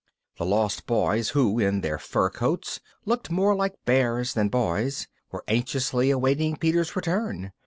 The Lost Boys, who, in their fur coats, looked more like bears than boys, were anxiously awaiting Peter's return.